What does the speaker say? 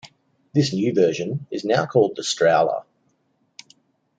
This new version is now called the Strowler.